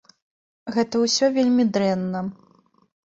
Гэта ўсё вельмі дрэнна.